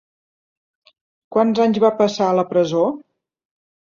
Quants anys va passar a la presó?